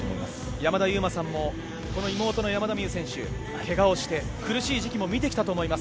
山田勇磨さんも妹の山田美諭選手けがをして、苦しい時期も見てきたと思います。